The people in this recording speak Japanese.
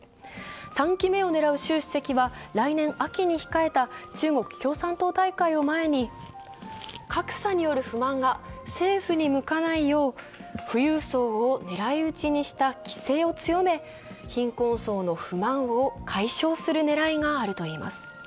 ３期目を狙う習主席は来年秋に控えた中国共産党大会を前に格差による不満が政府に向かないよう富裕層を狙い撃ちにした規制を強め貧困層の不満を解消する狙いがあるといいます。